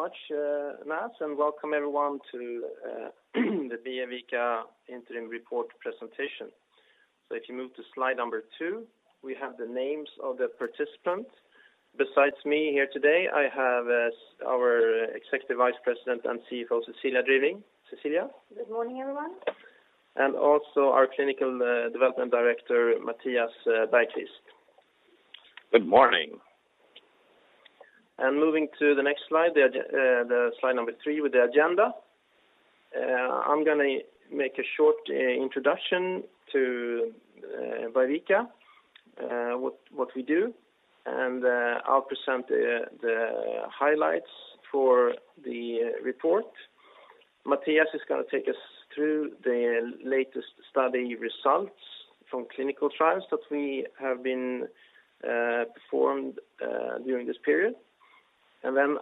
Thank you very much, Nats, welcome everyone to the Biovica interim report presentation. If you move to slide number two, we have the names of the participants. Besides me here today, I have our Executive Vice President and CFO, Cecilia Driving. Cecilia? Good morning, everyone. Also our Clinical Development Director, Mattias Bergqvist. Good morning. Moving to the next slide number three with the agenda. I'm going to make a short introduction to Biovica, what we do, and I'll present the highlights for the report. Mattias is going to take us through the latest study results from clinical trials that we have been performed during this period.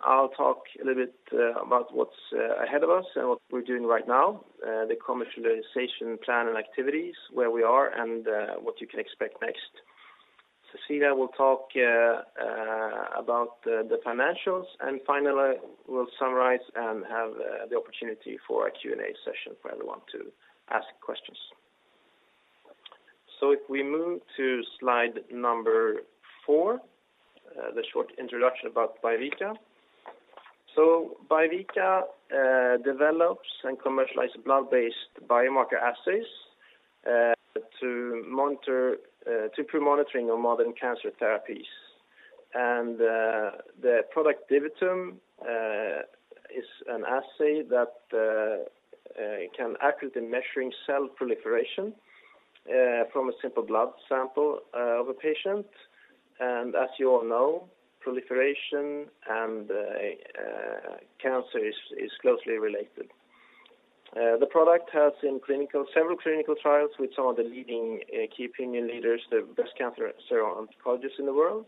I'll talk a little bit about what's ahead of us and what we're doing right now, the commercialization plan and activities, where we are, and what you can expect next. Cecilia will talk about the financials, and finally, we'll summarize and have the opportunity for a Q&A session for everyone to ask questions. If we move to slide number four, the short introduction about Biovica. Biovica develops and commercializes blood-based biomarker assays [to pre-monitoring] of modern cancer therapies. The product DiviTum is an assay that can accurately measure cell proliferation from a simple blood sample of a patient. As you all know, proliferation and cancer is closely related. The product has, in several clinical trials with some of the leading key opinion leaders, the best cancer oncologists in the world,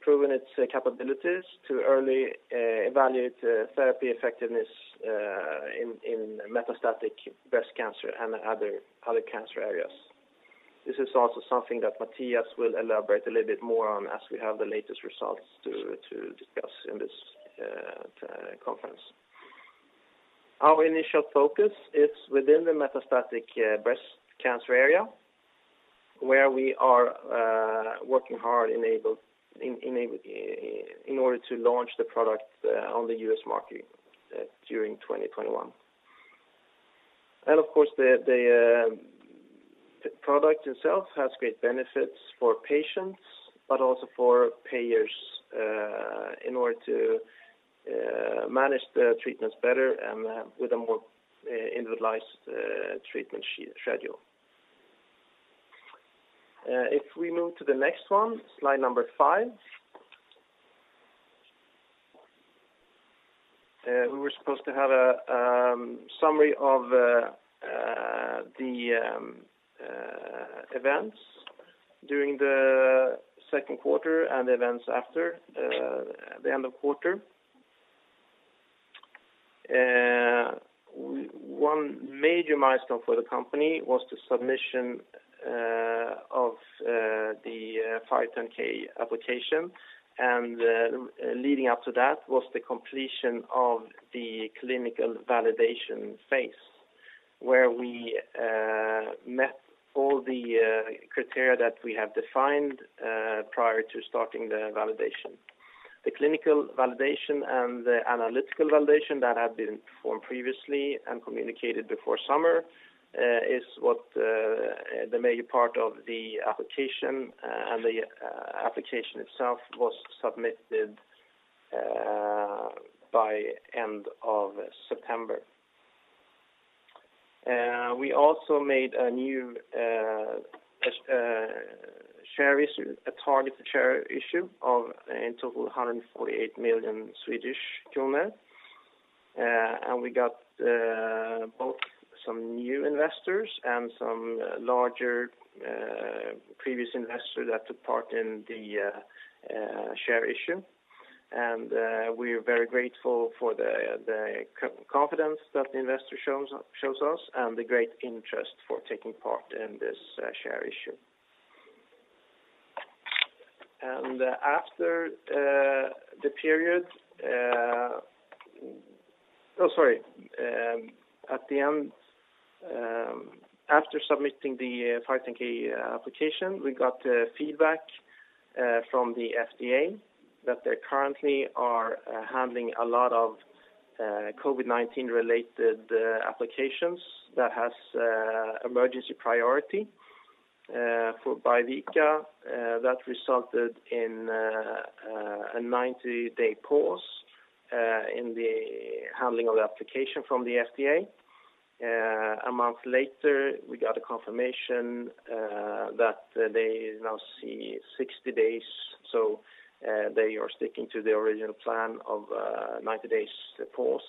proven its capabilities to early evaluate therapy effectiveness in metastatic breast cancer and other cancer areas. This is also something that Mattias will elaborate a little bit more on as we have the latest results to discuss in this conference. Our initial focus is within the metastatic breast cancer area, where we are working hard in order to launch the product on the U.S. market during 2021. Of course, the product itself has great benefits for patients, but also for payers in order to manage the treatments better and with a more individualized treatment schedule. We move to the next one, slide number five. We were supposed to have a summary of the events during the second quarter and events after the end of quarter. One major milestone for the company was the submission of the 510(k) application. Leading up to that was the completion of the clinical validation phase, where we met all the criteria that we have defined prior to starting the validation. The clinical validation and the analytical validation that had been performed previously and communicated before summer is what the major part of the application, and the application itself was submitted by end of September. We also made a new targeted share issue of in total 148 million. We got both some new investors and some larger previous investor that took part in the share issue. We are very grateful for the confidence that the investor shows us and the great interest for taking part in this share issue. After submitting the 510(k) application, we got feedback from the FDA that they currently are handling a lot of COVID-19 related applications that have emergency priority. For Biovica, that resulted in a 90-day pause in the handling of the application from the FDA. A month later, we got a confirmation that they now see 60 days. They are sticking to the original plan of 90-days pause,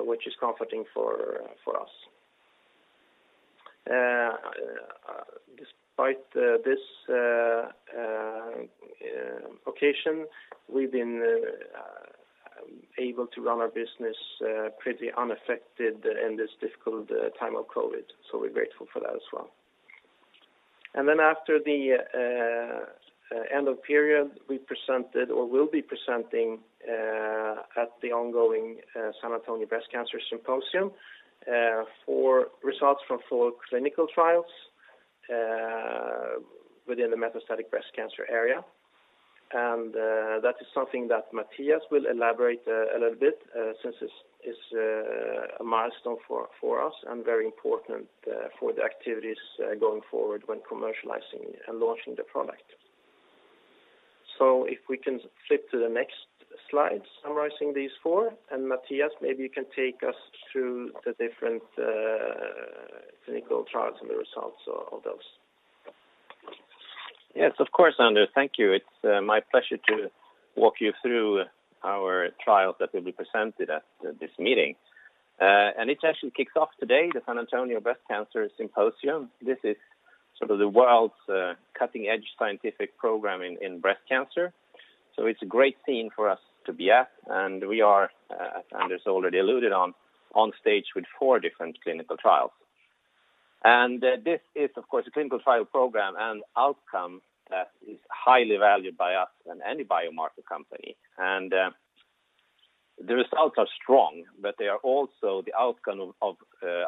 which is comforting for us. Despite this occasion, we've been able to run our business pretty unaffected in this difficult time of COVID, so we're grateful for that as well. After the end of period, we presented or will be presenting at the ongoing San Antonio Breast Cancer Symposium for results from four clinical trials within the metastatic breast cancer area. That is something that Mattias will elaborate a little bit, since it's a milestone for us and very important for the activities going forward when commercializing and launching the product. If we can flip to the next slide summarizing these four, Mattias, maybe you can take us through the different clinical trials and the results of those. Yes, of course, Anders. Thank you. It is my pleasure to walk you through our trials that will be presented at this meeting. It actually kicks off today, the San Antonio Breast Cancer Symposium. This is sort of the world's cutting-edge scientific program in breast cancer. It is a great scene for us to be at, and we are, as Anders already alluded on stage with four different clinical trials. This is, of course, a clinical trial program and outcome that is highly valued by us and any biomarker company. The results are strong, but they are also the outcome of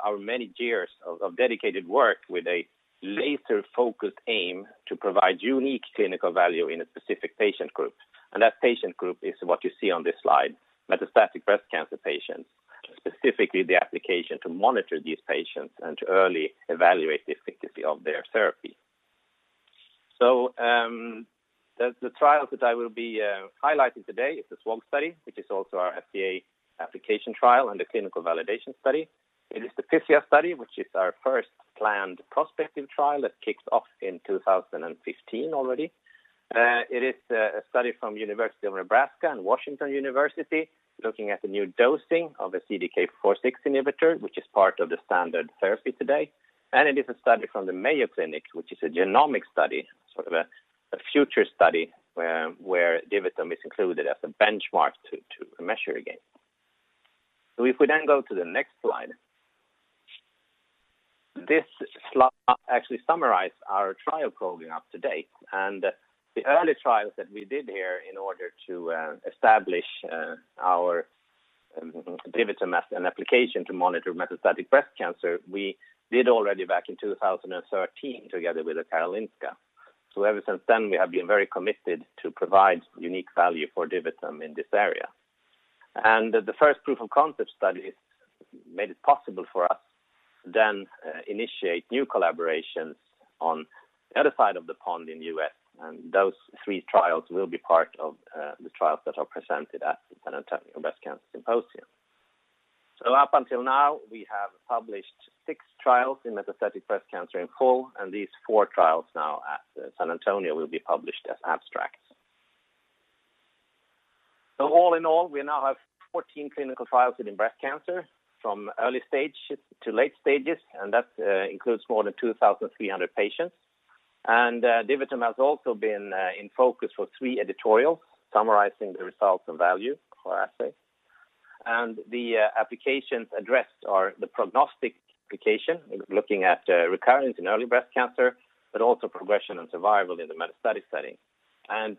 our many years of dedicated work with a laser-focused aim to provide unique clinical value in a specific patient group. That patient group is what you see on this slide, metastatic breast cancer patients, specifically the application to monitor these patients and to early evaluate the efficacy of their therapy. The trial that I will be highlighting today is the SWOG study, which is also our FDA application trial and a clinical validation study. It is the PYTHIA study, which is our first planned prospective trial that kicks off in 2015 already. It is a study from University of Nebraska and Washington University looking at the new dosing of a CDK4/6 inhibitor, which is part of the standard therapy today. It is a study from the Mayo Clinic, which is a genomic study, sort of a future study where DiviTum is included as a benchmark to measure against. If we then go to the next slide. This slide actually summarizes our trial program to date. The early trials that we did here in order to establish our DiviTum as an application to monitor metastatic breast cancer, we did already back in 2013 together with Karolinska. Ever since then, we have been very committed to provide unique value for DiviTum in this area. The first proof of concept study made it possible for us to then initiate new collaborations on the other side of the pond in the U.S., and those three trials will be part of the trials that are presented at the San Antonio Breast Cancer Symposium. Up until now, we have published six trials in metastatic breast cancer in full, and these four trials now at San Antonio will be published as abstracts. All in all, we now have 14 clinical trials within breast cancer from early stage to late stages, and that includes more than 2,300 patients. DiviTum has also been in focus for three editorials summarizing the results and value for assay. The applications addressed are the prognostic application, looking at recurrence in early breast cancer, but also progression and survival in the metastatic setting.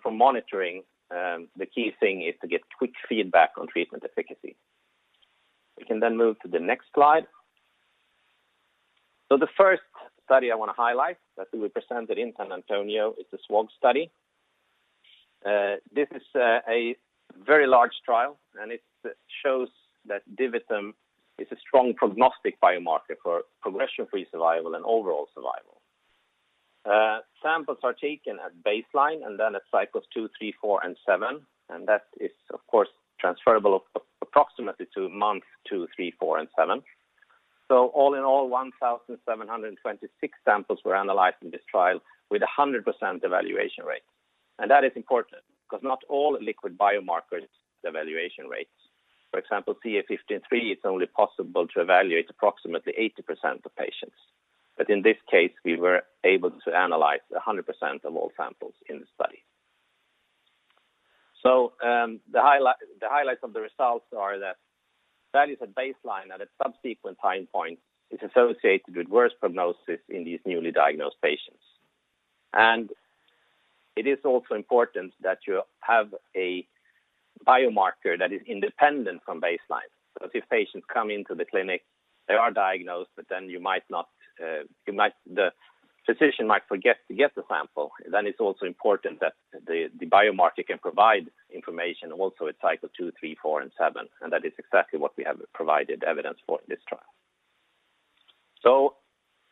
For monitoring, the key thing is to get quick feedback on treatment efficacy. We can move to the next slide. The first study I want to highlight that we presented in San Antonio is the SWOG study. This is a very large trial, and it shows that DiviTum is a strong prognostic biomarker for progression-free survival and overall survival. Samples are taken at baseline and then at cycles two, three, four, and seven, and that is, of course, transferable approximately to months two, three, four, and seven. All in all, 1,726 samples were analyzed in this trial with 100% evaluation rate. That is important because not all liquid biomarkers have evaluation rates. For example, CA 15-3, it's only possible to evaluate approximately 80% of patients. In this case, we were able to analyze 100% of all samples in the study. The highlights of the results are that values at baseline and at subsequent time points is associated with worse prognosis in these newly diagnosed patients. It is also important that you have a biomarker that is independent from baseline. If patients come into the clinic, they are diagnosed, but then the physician might forget to get the sample. It's also important that the biomarker can provide information also at cycle two, three, four, and seven, and that is exactly what we have provided evidence for in this trial.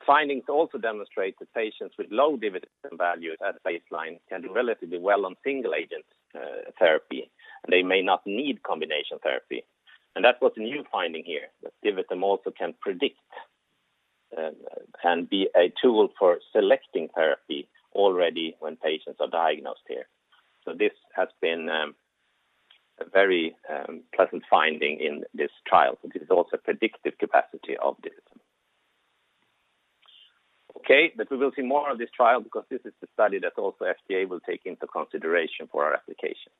Findings also demonstrate that patients with low DiviTum values at baseline can do relatively well on single agent therapy, and they may not need combination therapy. That was the new finding here, that DiviTum also can predict and be a tool for selecting therapy already when patients are diagnosed here. This has been a very pleasant finding in this trial. This is also predictive capacity of DiviTum. We will see more of this trial because this is the study that also FDA will take into consideration for our application.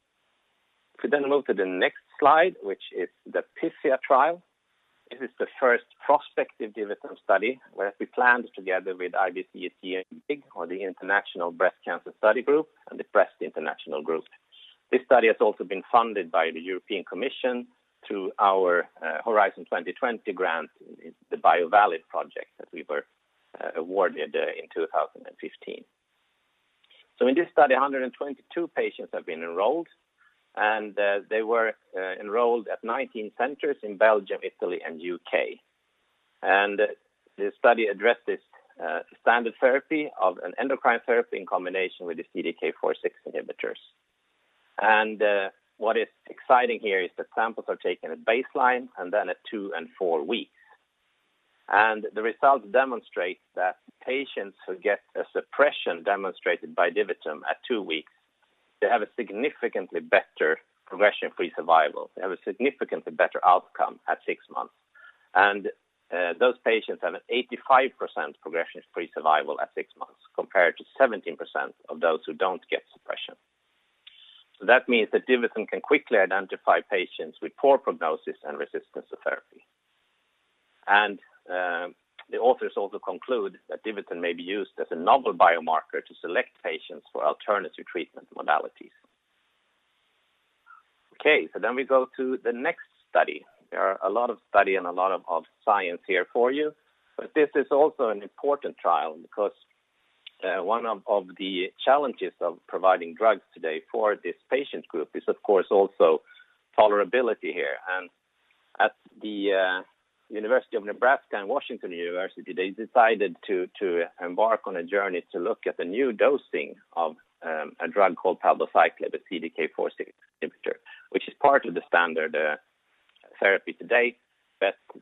Move to the next slide, which is the PYTHIA trial. This is the first prospective DiviTum study, where we planned together with IBCSG or the International Breast Cancer Study Group and the Breast International Group. This study has also been funded by the European Commission through our Horizon 2020 grant in the Biovalid project that we were awarded in 2015. In this study, 122 patients have been enrolled, and they were enrolled at 19 centers in Belgium, Italy, and U.K. The study addresses standard therapy of an endocrine therapy in combination with the CDK4/6 inhibitors. What is exciting here is that samples are taken at baseline and then at two and four weeks. The results demonstrate that patients who get a suppression demonstrated by DiviTum at two weeks, they have a significantly better progression-free survival. They have a significantly better outcome at six months. Those patients have an 85% progression-free survival at six months compared to 17% of those who don't get suppression. That means that DiviTum can quickly identify patients with poor prognosis and resistance to therapy. The authors also conclude that DiviTum may be used as a novel biomarker to select patients for alternative treatment modalities. We go to the next study. There are a lot of study and a lot of science here for you. This is also an important trial because one of the challenges of providing drugs today for this patient group is, of course, also tolerability here. At the University of Nebraska and Washington University, they decided to embark on a journey to look at the new dosing of a drug called palbociclib, a CDK4/6 inhibitor, which is part of the standard therapy to date.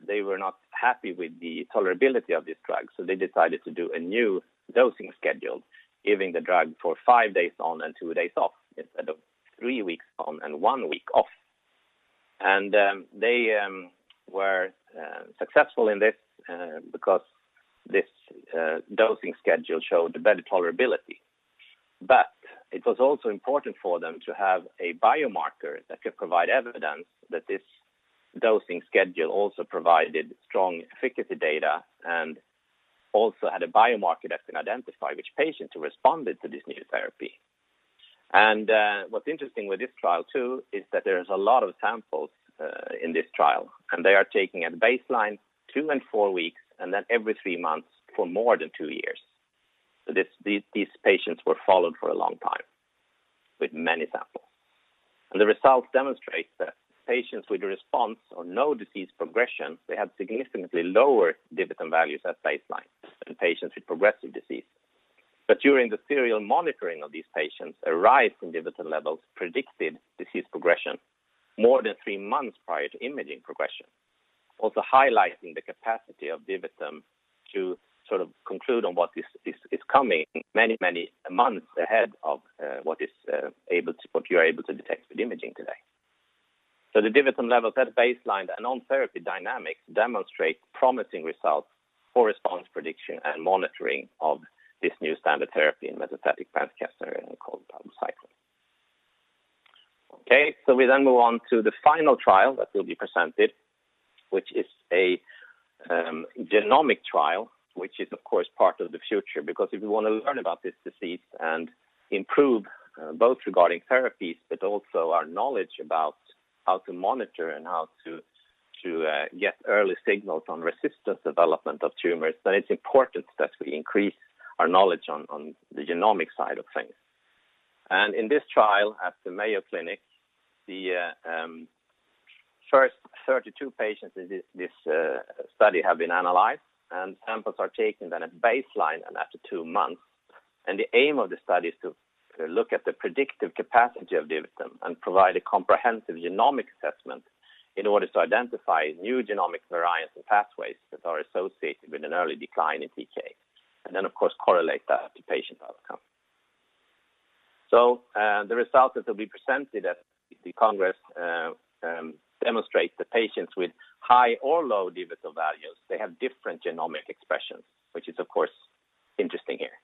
They were not happy with the tolerability of this drug, so they decided to do a new dosing schedule, giving the drug for five days on and two days off instead of three weeks on and one week off. They were successful in this because this dosing schedule showed better tolerability. It was also important for them to have a biomarker that could provide evidence that this dosing schedule also provided strong efficacy data and also had a biomarker that can identify which patients responded to this new therapy. What's interesting with this trial, too, is that there is a lot of samples in this trial, and they are taking at baseline two and four weeks, and then every three months for more than two years. These patients were followed for a long time with many samples. The results demonstrate that patients with a response or no disease progression, they had significantly lower DiviTum values at baseline than patients with progressive disease. During the serial monitoring of these patients, a rise in DiviTum levels predicted disease progression more than three months prior to imaging progression. Highlighting the capacity of DiviTum to sort of conclude on what is coming many months ahead of what you are able to detect with imaging today. The DiviTum levels at baseline and on-therapy dynamics demonstrate promising results for response prediction and monitoring of this new standard therapy in metastatic breast cancer called palbociclib. We then move on to the final trial that will be presented, which is a genomic trial. Which is, of course, part of the future, because if we want to learn about this disease and improve both regarding therapies but also our knowledge about how to monitor and how to get early signals on resistance development of tumors, then it's important that we increase our knowledge on the genomic side of things. In this trial at the Mayo Clinic, the first 32 patients in this study have been analyzed, and samples are taken then at baseline and after two months. The aim of the study is to look at the predictive capacity of DiviTum and provide a comprehensive genomic assessment in order to identify new genomic variants and pathways that are associated with an early decline in TK. Of course, correlate that to patient outcome. The results that will be presented at the Congress demonstrate the patients with high or low DiviTum values, they have different genomic expressions, which is, of course, interesting here.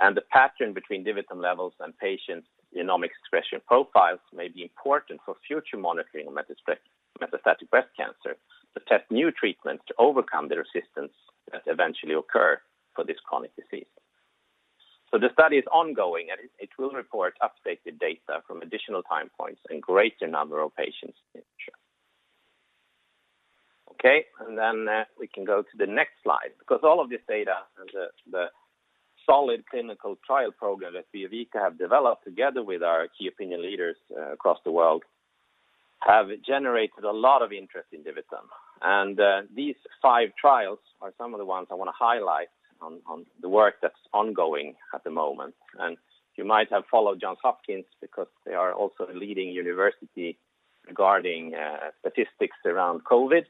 The pattern between DiviTum levels and patients' genomic expression profiles may be important for future monitoring of metastatic breast cancer to test new treatments to overcome the resistance that eventually occur for this chronic disease. The study is ongoing, and it will report updated data from additional time points and greater number of patients in the future. Okay, we can go to the next slide. All of this data and the solid clinical trial program that Biovica have developed together with our key opinion leaders across the world have generated a lot of interest in DiviTum. These five trials are some of the ones I want to highlight on the work that's ongoing at the moment. You might have followed Johns Hopkins because they are also a leading university regarding statistics around COVID,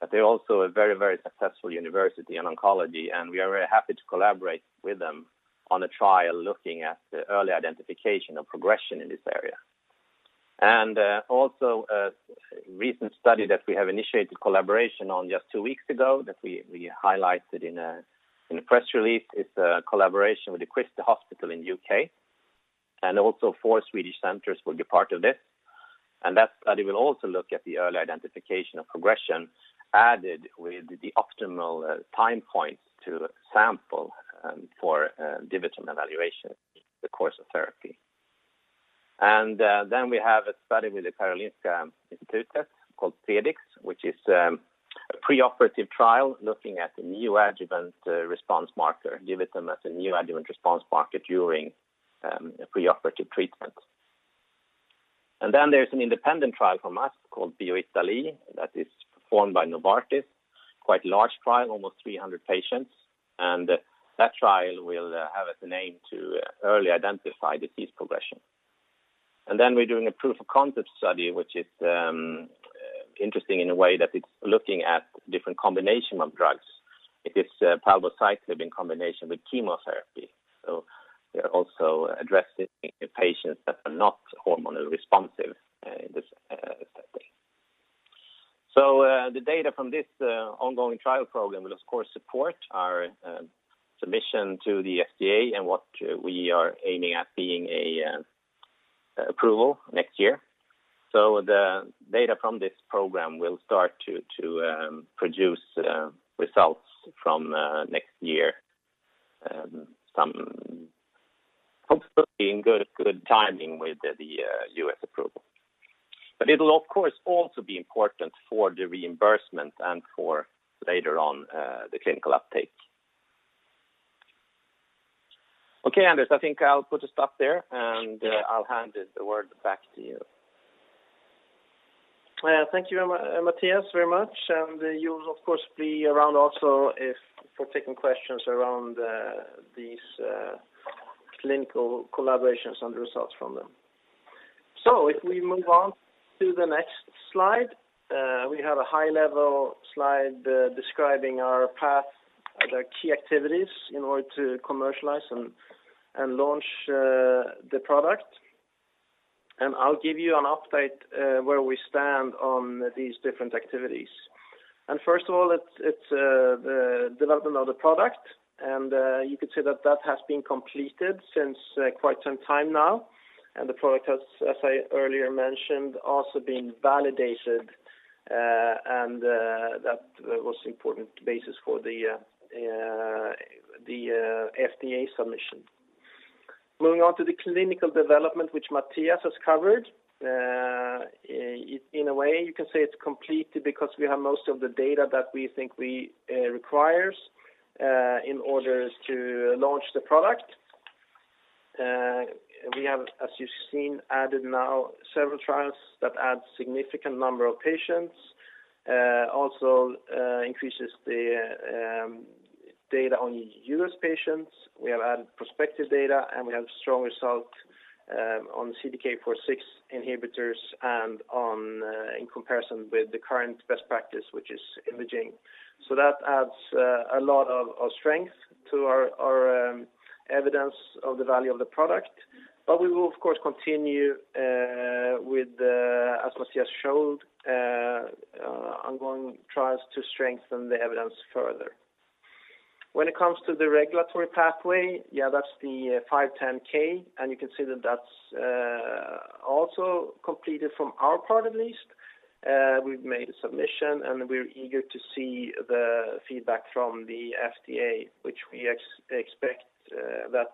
but they're also a very successful university in oncology, and we are very happy to collaborate with them on a trial looking at the early identification of progression in this area. Recent study that we have initiated collaboration on just two weeks ago that we highlighted in a press release. It's a collaboration with The Christie hospital in U.K., and also four Swedish centers will be part of this. That study will also look at the early identification of progression, added with the optimal time points to sample for DiviTum evaluation in the course of therapy. Then we have a study with the Karolinska Institutet called [TEDICS], which is a preoperative trial looking at a neoadjuvant response marker, DiviTum as a neoadjuvant response marker during preoperative treatment. Then there's an independent trial from us called BioItaLEE that is performed by Novartis. Quite large trial, almost 300 patients. That trial will have as an aim to early identify disease progression. Then we're doing a proof of concept study, which is interesting in a way that it's looking at different combination of drugs. It is palbociclib in combination with chemotherapy. We are also addressing patients that are not hormonally responsive in this study. The data from this ongoing trial program will of course support our submission to the FDA and what we are aiming at being an approval next year. The data from this program will start to produce results from next year, and hopefully in good timing with the U.S. approval. It'll of course also be important for the reimbursement and for later on the clinical uptake. Okay, Anders, I think I'll put a stop there and I'll hand the word back to you. Thank you, Mattias, very much. You'll of course be around also for taking questions around these clinical collaborations and the results from them. If we move on to the next slide. We have a high-level slide describing our path and our key activities in order to commercialize and launch the product. I'll give you an update where we stand on these different activities. First of all, it's the development of the product, and you could say that that has been completed since quite some time now. The product has, as I earlier mentioned, also been validated, and that was important basis for the FDA submission. Moving on to the clinical development, which Mattias has covered. In a way you can say it's completed because we have most of the data that we think requires in order to launch the product. We have, as you've seen, added now several trials that add significant number of patients, also increases the data on U.S. patients. We have added prospective data, and we have strong results on CDK4/6 inhibitors and in comparison with the current best practice, which is imaging. That adds a lot of strength to our evidence of the value of the product. We will of course continue with, as Mattias showed, ongoing trials to strengthen the evidence further. When it comes to the regulatory pathway, that's the 510(k), and you can see that that's also completed from our part at least. We've made a submission, and we're eager to see the feedback from the FDA, which we expect that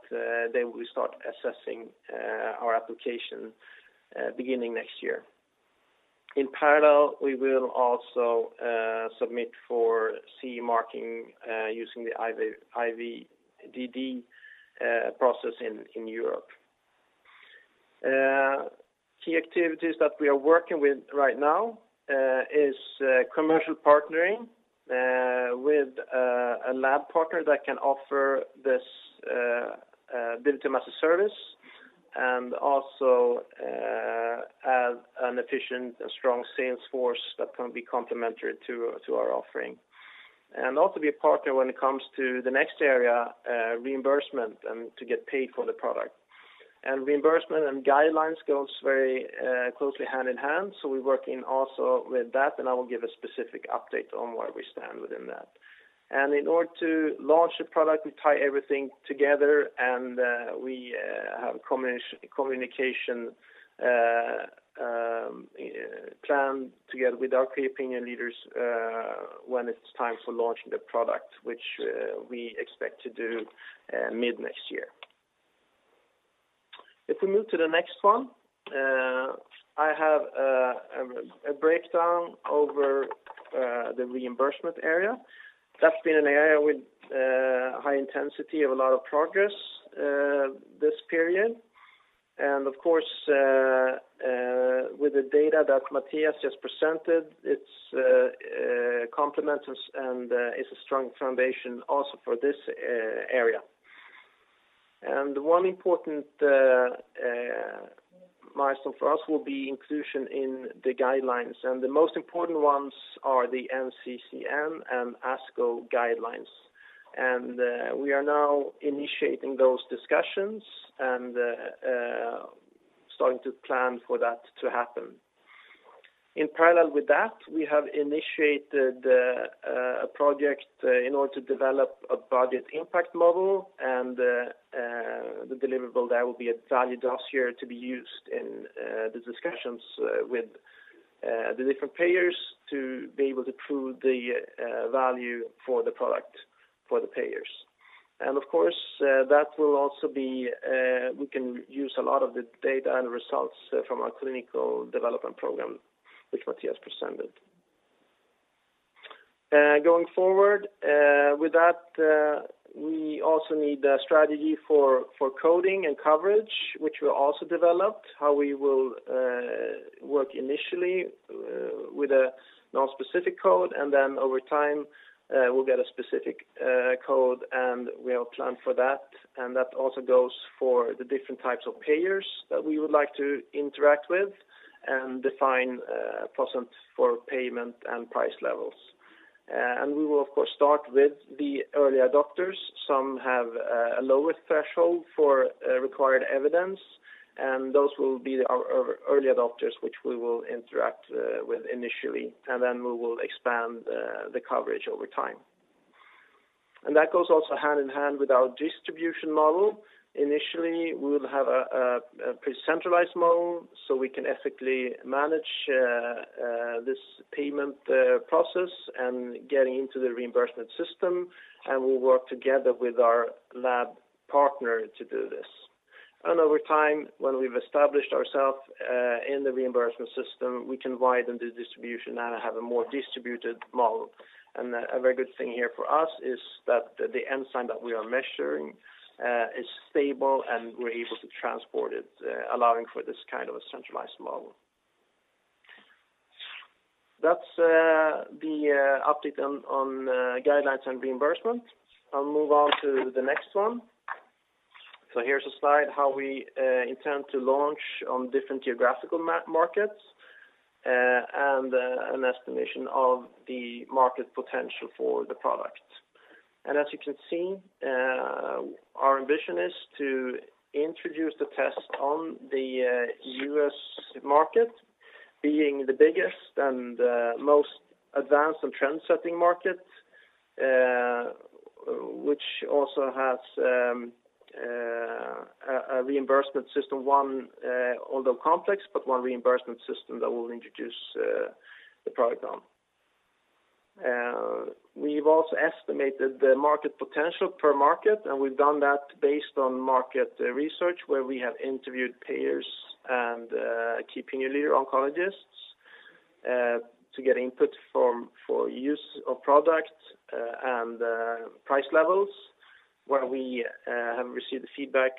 they will start assessing our application beginning next year. In parallel, we will also submit for CE marking using the IVDD process in Europe. Key activities that we are working with right now is commercial partnering with a lab partner that can offer this DiviTum as a service, also have an efficient and strong sales force that can be complementary to our offering. Also be a partner when it comes to the next area, reimbursement and to get paid for the product. Reimbursement and guidelines goes very closely hand in hand, so we're working also with that, and I will give a specific update on where we stand within that. In order to launch the product, we tie everything together and we have a communication plan together with our key opinion leaders when it's time for launching the product, which we expect to do mid next year. If we move to the next one, I have a breakdown over the reimbursement area. That's been an area with high intensity of a lot of progress this period. Of course, with the data that Mattias just presented, it's complementary and is a strong foundation also for this area. One important milestone for us will be inclusion in the guidelines, and the most important ones are the NCCN and ASCO guidelines. We are now initiating those discussions and starting to plan for that to happen. In parallel with that, we have initiated a project in order to develop a budget impact model, and the deliverable there will be a value dossier to be used in the discussions with the different payers to be able to prove the value for the product for the payers. Of course, we can use a lot of the data and results from our clinical development program, which Mattias presented. Going forward, with that, we also need a strategy for coding and coverage, which we also developed. How we will work initially with a non-specific code, and then over time, we will get a specific code, and we have planned for that. That also goes for the different types of payers that we would like to interact with and define a process for payment and price levels. We will, of course, start with the early adopters. Some have a lower threshold for required evidence, and those will be our early adopters, which we will interact with initially, and then we will expand the coverage over time. That goes also hand-in-hand with our distribution model. Initially, we will have a [pre-centralized] model so we can ethically manage this payment process and get into the reimbursement system, and we will work together with our lab partner to do this. Over time, when we've established ourselves in the reimbursement system, we can widen the distribution and have a more distributed model. A very good thing here for us is that the enzyme that we are measuring is stable, and we're able to transport it, allowing for this kind of a centralized model. That's the update on guidelines and reimbursement. I'll move on to the next one. Here's a slide how we intend to launch on different geographical markets and an estimation of the market potential for the product. As you can see, our ambition is to introduce the test on the U.S. market, being the biggest and most advanced and trendsetting market, which also has a reimbursement system, although complex, but one reimbursement system that will introduce the product on. We've also estimated the market potential per market, and we've done that based on market research, where we have interviewed payers and key opinion leader oncologists to get input for use of product and price levels, where we have received feedback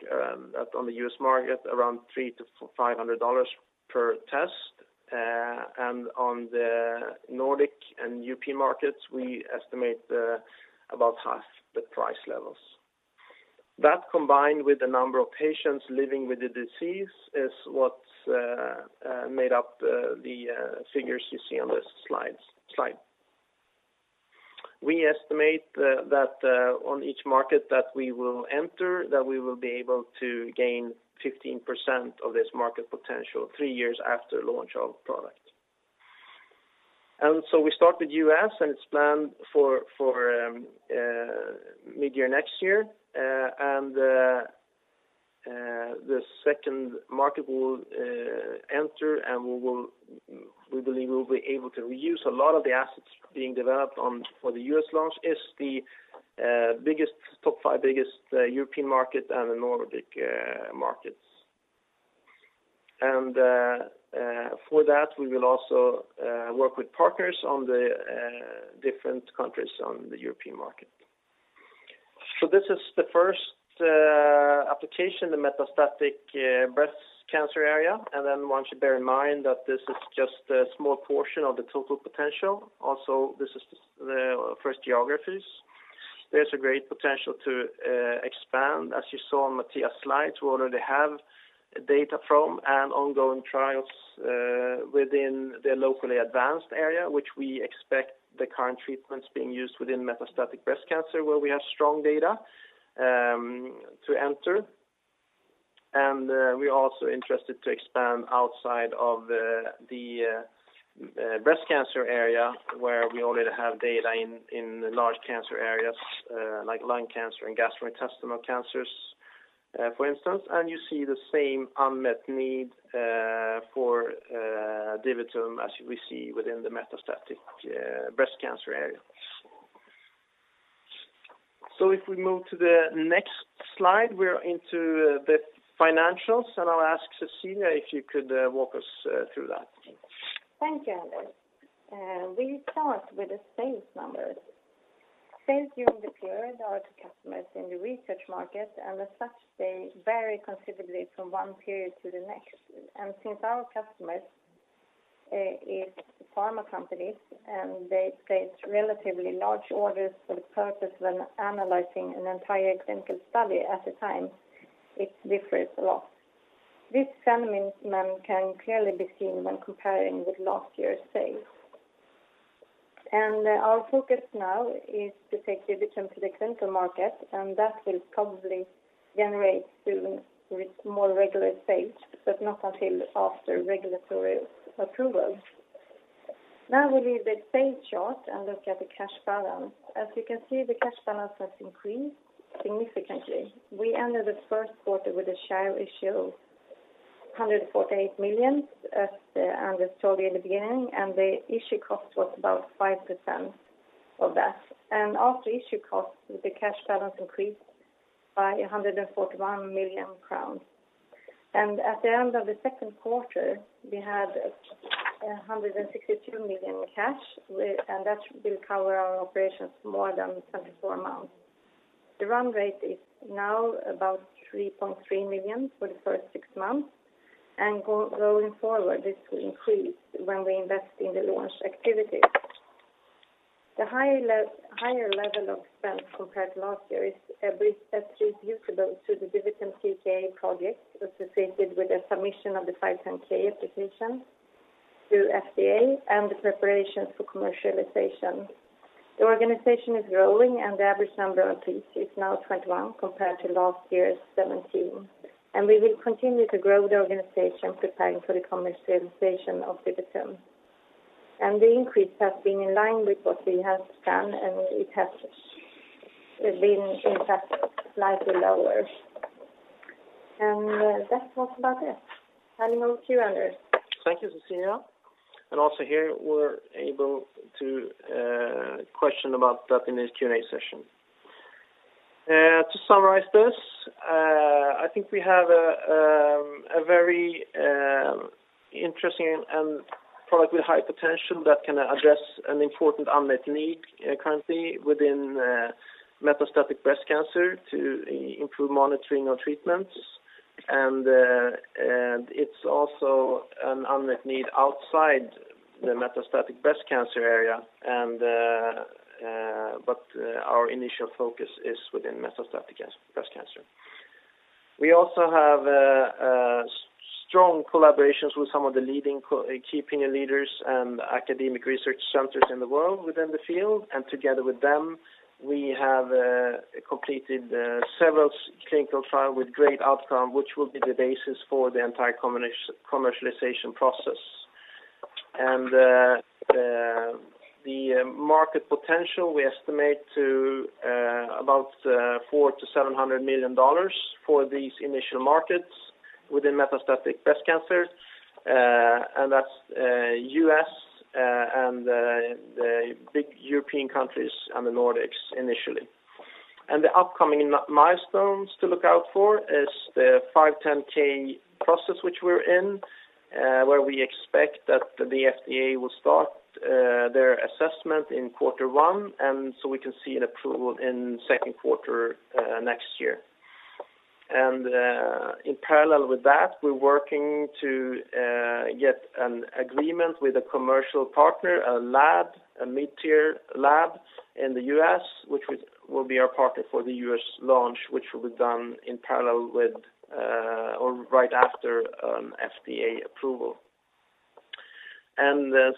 on the U.S. market around $3-$500 per test. On the Nordic and European markets, we estimate about half the price levels. That, combined with the number of patients living with the disease, is what's made up the figures you see on this slide. We estimate that on each market that we will enter, that we will be able to gain 15% of this market potential three years after launch of product. We start with U.S., and it's planned for mid-year next year. The second market we'll enter, and we believe we'll be able to reuse a lot of the assets being developed for the U.S. launch, is the top five biggest European market and the Nordic markets. For that, we will also work with partners on the different countries on the European market. This is the first application, the metastatic breast cancer area. One should bear in mind that this is just a small portion of the total potential. Also, this is the first geographies. There's a great potential to expand. As you saw on Mattias' slide, we already have data from and ongoing trials within the locally advanced area, which we expect the current treatments being used within metastatic breast cancer, where we have strong data to enter. We're also interested to expand outside of the breast cancer area, where we already have data in large cancer areas like lung cancer and gastrointestinal cancers, for instance. You see the same unmet need for DiviTum as we see within the metastatic breast cancer area. If we move to the next slide, we're into the financials, and I'll ask Cecilia if you could walk us through that. Thank you, Anders. We start with the sales numbers. Sales during the period are to customers in the research market, and as such, they vary considerably from one period to the next. Since our customers is pharma companies, and they place relatively large orders for the purpose of analyzing an entire clinical study at a time, it differs a lot. This phenomenon can clearly be seen when comparing with last year's sales. Our focus now is to take DiviTum to the clinical market, and that will probably generate soon with more regular sales, but not until after regulatory approval. Now we leave the sales chart and look at the cash balance. As you can see, the cash balance has increased significantly. We ended the first quarter with a share issue, 148 million at the beginning, and the issue cost was about 5% of that. After issue cost, the cash balance increased by 141 million crowns. At the end of the second quarter, we had 162 million in cash, and that will cover our operations more than 24 months. The run rate is now about 3.3 million for the first six months. Going forward, this will increase when we invest in the launch activities. The higher level of spend compared to last year is briefly attributable to the DiviTum TKa project associated with the submission of the 510(k) application to FDA and the preparations for commercialization. The organization is growing. The average number of employees is now 21 compared to last year's 17. We will continue to grow the organization preparing for the commercialization of DiviTum. The increase has been in line with what we had planned. It has been, in fact, slightly lower. That was about it. Handing over to Anders. Thank you, Cecilia. Also here, we're able to question about that in this Q&A session. To summarize this, I think we have a very interesting product with high potential that can address an important unmet need currently within metastatic breast cancer to improve monitoring of treatments. It's also an unmet need outside the metastatic breast cancer area, but our initial focus is within metastatic breast cancer. We also have strong collaborations with some of the leading key opinion leaders and academic research centers in the world within the field. Together with them, we have completed several clinical trial with great outcome, which will be the basis for the entire commercialization process. The market potential we estimate to about $400 million-$700 million for these initial markets within metastatic breast cancer. That's U.S. and the big European countries and the Nordics initially. The upcoming milestones to look out for is the 510(k) process, which we're in, where we expect that the FDA will start their assessment in quarter one, we can see an approval in second quarter next year. In parallel with that, we're working to get an agreement with a commercial partner, a mid-tier lab in the U.S., which will be our partner for the U.S. launch, which will be done in parallel with or right after FDA approval.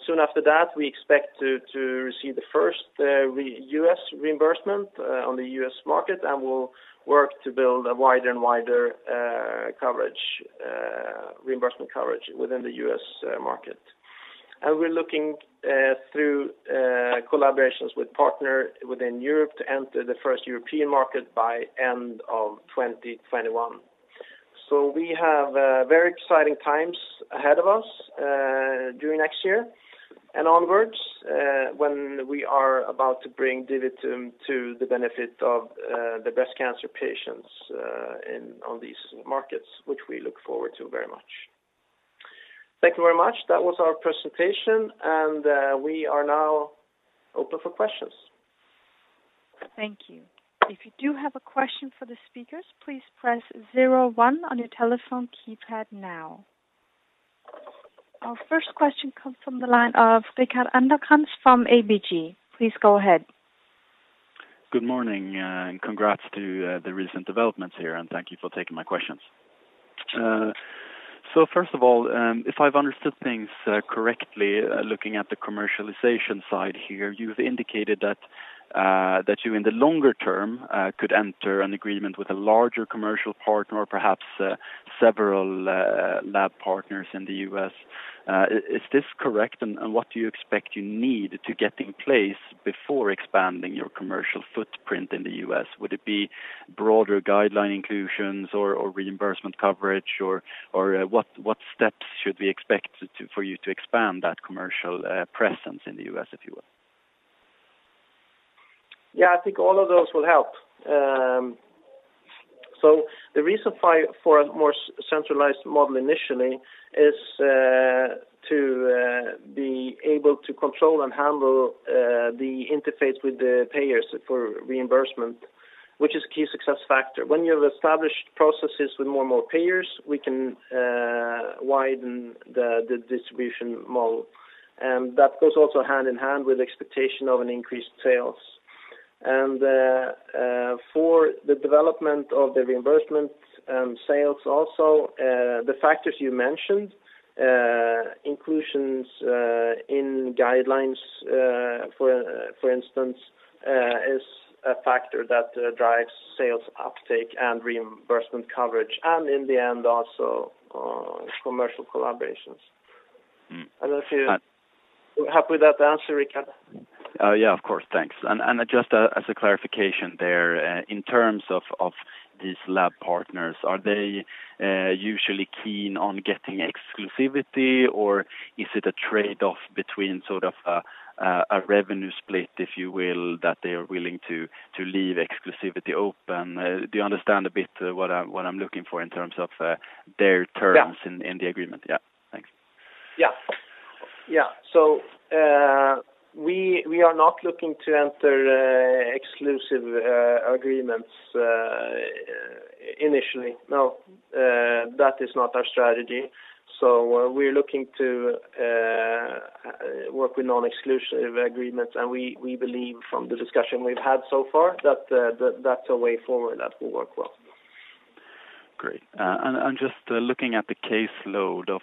Soon after that, we expect to receive the first U.S. reimbursement on the U.S. market, we'll work to build a wider and wider reimbursement coverage within the U.S. market. We're looking through collaborations with partner within Europe to enter the first European market by end of 2021. We have very exciting times ahead of us during next year and onwards when we are about to bring DiviTum to the benefit of the breast cancer patients on these markets, which we look forward to very much. Thank you very much. That was our presentation, and we are now open for questions. Thank you. If you do have a question for the speakers, please press zero, one on your telephone keypad now. Our first question comes from the line of Rickard Anderkrans from ABG. Please go ahead. Good morning. Congrats to the recent developments here. Thank you for taking my questions. First of all, if I've understood things correctly, looking at the commercialization side here, you've indicated that you, in the longer term, could enter an agreement with a larger commercial partner or perhaps several lab partners in the U.S. Is this correct? What do you expect you need to get in place before expanding your commercial footprint in the U.S.? Would it be broader guideline inclusions or reimbursement coverage, or what steps should we expect for you to expand that commercial presence in the U.S., if you will? Yeah, I think all of those will help. The reason for a more centralized model initially is to be able to control and handle the interface with the payers for reimbursement, which is a key success factor. When you have established processes with more and more payers, we can widen the distribution model. That goes also hand in hand with expectation of an increased sales. For the development of the reimbursement sales also, the factors you mentioned, inclusions in guidelines, for instance, is a factor that drives sales uptake and reimbursement coverage, and in the end also, commercial collaborations. I don't know if you're happy with that answer, Rickard. Yeah, of course. Thanks. Just as a clarification there, in terms of these lab partners, are they usually keen on getting exclusivity or is it a trade-off between sort of a revenue split, if you will, that they are willing to leave exclusivity open? Do you understand a bit what I'm looking for in terms of their terms- Yeah. ...in the agreement? Yeah. Thanks. Yeah. We are not looking to enter exclusive agreements initially. No, that is not our strategy. We are looking to work with non-exclusive agreements, and we believe from the discussion we've had so far that that's a way forward that will work well. Great. Just looking at the caseload of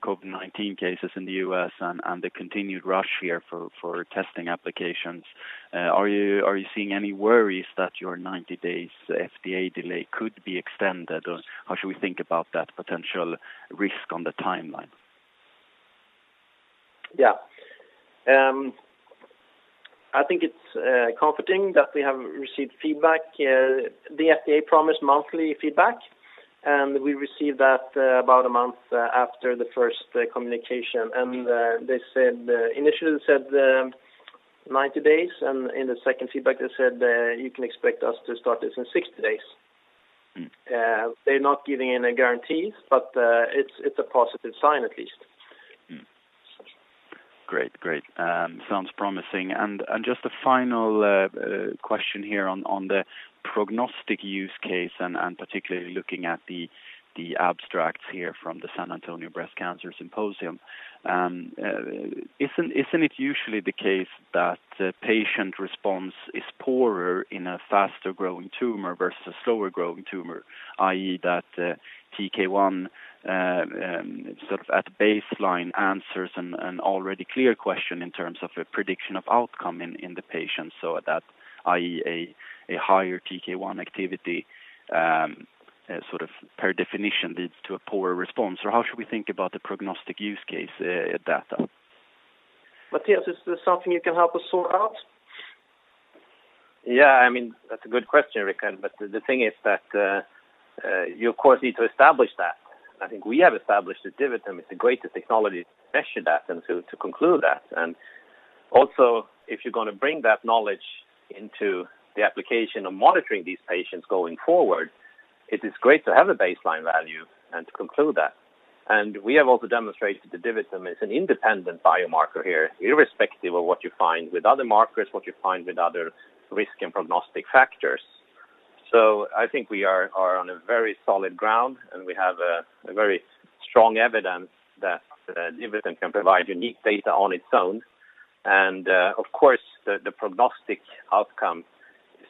COVID-19 cases in the U.S. and the continued rush here for testing applications, are you seeing any worries that your 90 days FDA delay could be extended or how should we think about that potential risk on the timeline? Yeah. I think it's comforting that we have received feedback. The FDA promised monthly feedback, and we received that about a month after the first communication. They initially said 90 days, and in the second feedback they said, "You can expect us to start this in 60 days." They're not giving any guarantees, but it's a positive sign at least. Great. Sounds promising. Just a final question here on the prognostic use case, and particularly looking at the abstracts here from the San Antonio Breast Cancer Symposium. Isn't it usually the case that patient response is poorer in a faster-growing tumor versus a slower-growing tumor, i.e., that TK1 sort of at baseline answers an already clear question in terms of a prediction of outcome in the patient, so that i.e., a higher TK1 activity sort of per definition leads to a poorer response, or how should we think about the prognostic use case data? Mattias, Is this something you can help us sort out? Yeah, that's a good question, Rickard. The thing is that you of course need to establish that. I think we have established that DiviTum is the greatest technology to measure that and to conclude that. Also, if you're going to bring that knowledge into the application of monitoring these patients going forward, it is great to have a baseline value and to conclude that. We have also demonstrated that DiviTum is an independent biomarker here, irrespective of what you find with other markers, what you find with other risk and prognostic factors. I think we are on a very solid ground, and we have a very strong evidence that DiviTum can provide unique data on its own. Of course, the prognostic outcome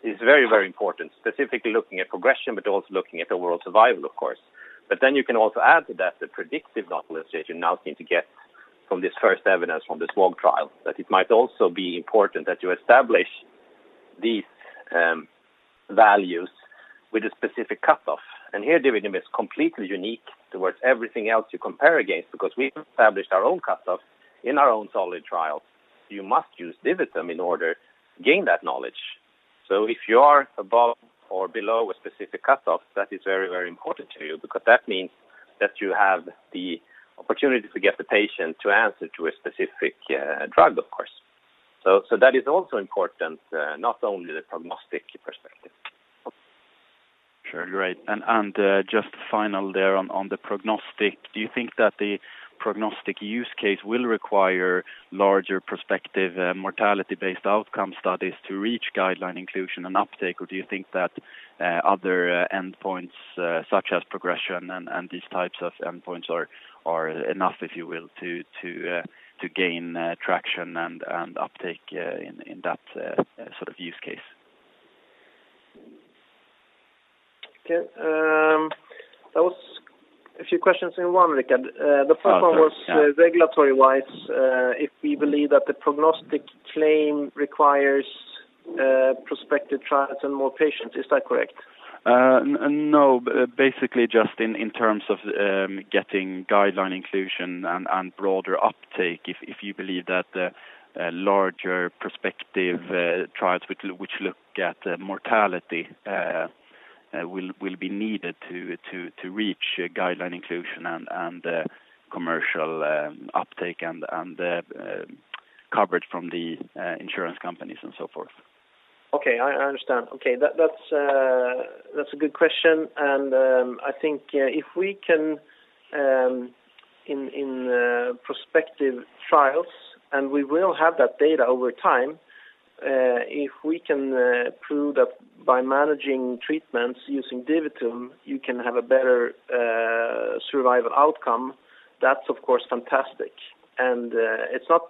is very, very important, specifically looking at progression, but also looking at overall survival, of course. You can also add to that the predictive knowledge that you now seem to get from this first evidence from the SWOG trial, that it might also be important that you establish these values with a specific cutoff. Here, DiviTum is completely unique towards everything else you compare against because we've established our own cutoff in our own solid trials. You must use DiviTum in order to gain that knowledge. If you are above or below a specific cutoff, that is very, very important to you because that means that you have the opportunity to get the patient to answer to a specific drug, of course. That is also important, not only the prognostic perspective. Sure, great. Just final there on the prognostic, do you think that the prognostic use case will require larger prospective mortality-based outcome studies to reach guideline inclusion and uptake or do you think that other endpoints such as progression and these types of endpoints are enough, if you will, to gain traction and uptake in that sort of use case? Okay. That was a few questions in one, Rickard. Oh, sorry. The first one was regulatory-wise, if we believe that the prognostic claim requires prospective trials and more patients. Is that correct? No. Basically just in terms of getting guideline inclusion and broader uptake, if you believe that larger prospective trials which look at mortality will be needed to reach guideline inclusion and commercial uptake and the coverage from the insurance companies and so forth. Okay. I understand. Okay. That's a good question. I think if we can, in prospective trials, and we will have that data over time, if we can prove that by managing treatments using DiviTum, you can have a better survival outcome, that's of course fantastic. It's not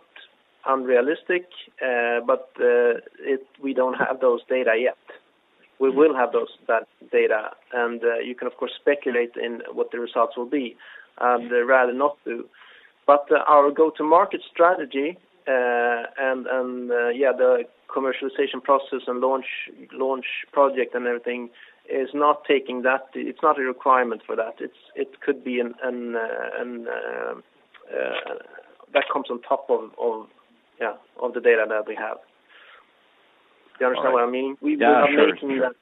unrealistic, but we don't have those data yet. We will have that data, and you can, of course, speculate in what the results will be. I'd rather not do. Our go-to-market strategy, and the commercialization process and launch project and everything, it's not a requirement for that. It could be that comes on top of the data that we have. Do you understand what I mean? Yeah, sure. We are making that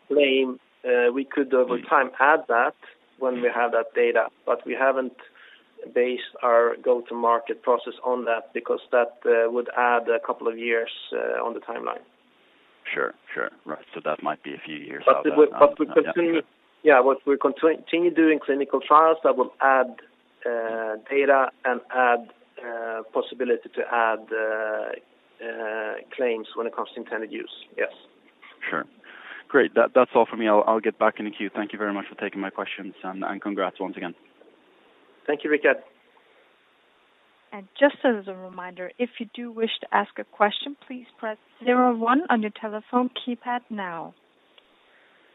claim. We could, over time, add that when we have that data. We haven't based our go-to-market process on that because that would add a couple of years on the timeline. Sure. Right. That might be a few years out yet then. Yeah. We're continuing doing clinical trials that will add data and add possibility to add claims when it comes to intended use. Yes. Sure. Great. That's all from me. I'll get back in the queue. Thank you very much for taking my questions, and congrats once again. Thank you, Rickard. Just as a reminder, if you do wish to ask a question, please press zero, one on your telephone keypad now.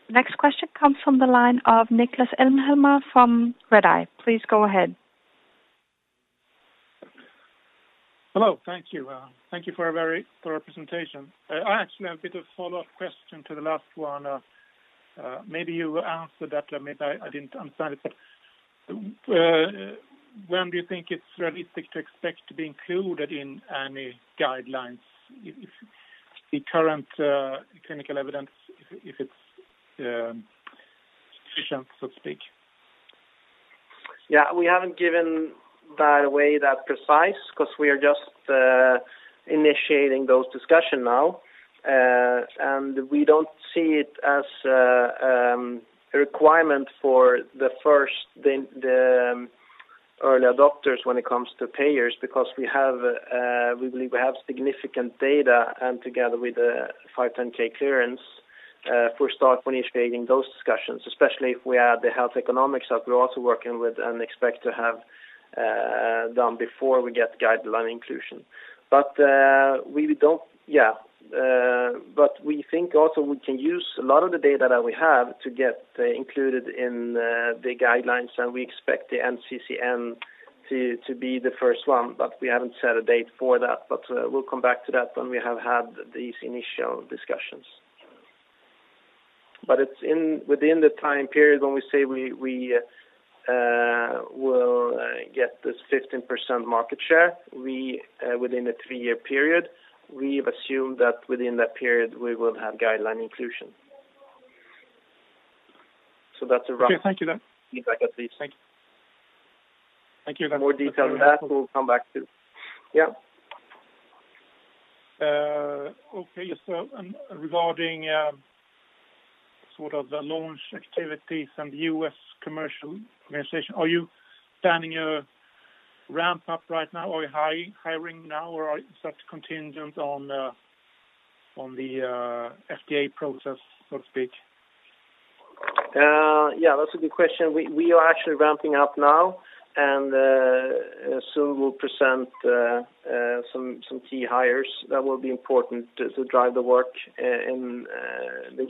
The next question comes from the line of Niklas Elmhammar from Redeye. Please go ahead. Hello. Thank you. Thank you for your presentation. I actually have a bit of a follow-up question to the last one. Maybe you answered that, or maybe I didn't understand it. When do you think it's realistic to expect to be included in any guidelines if the current clinical evidence, if it's sufficient, so to speak? Yeah. We haven't given, by the way, that precise because we are just initiating those discussions now. We don't see it as a requirement for the first early adopters when it comes to payers because we believe we have significant data and together with the 510(k) clearance for start when initiating those discussions, especially if we add the health economics that we're also working with and expect to have done before we get guideline inclusion. We think also we can use a lot of the data that we have to get included in the guidelines, and we expect the NCCN to be the first one, but we haven't set a date for that. We'll come back to that when we have had these initial discussions. It's within the time period when we say we will get this 15% market share within a three-year period. We've assumed that within that period, we will have guideline inclusion. Okay. Thank you then. Feedback at least. Thank you. More detail than that, we'll come back to. Yeah. Okay. Regarding sort of the launch activities and the U.S. commercialization, are you planning a ramp up right now or hiring now or are such contingent on the FDA process, so to speak? Yeah, that's a good question. We are actually ramping up now, and soon we'll present some key hires that will be important to drive the work in the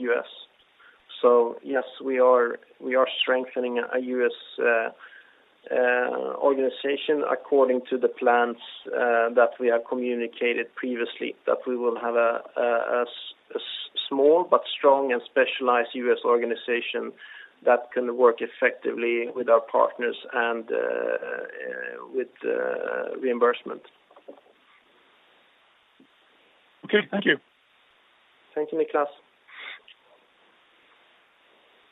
U.S.. Yes, we are strengthening our U.S. organization according to the plans that we have communicated previously that we will have a small but strong and specialized U.S. organization that can work effectively with our partners and with reimbursement. Okay. Thank you. Thank you, Niklas.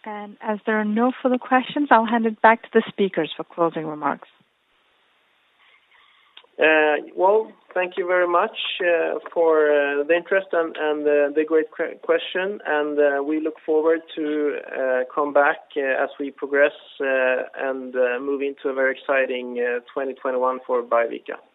As there are no further questions, I'll hand it back to the speakers for closing remarks. Well, thank you very much for the interest and the great question, and we look forward to come back as we progress and move into a very exciting 2021 for Biovica. Thank you.